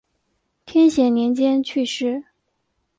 天显年间去世。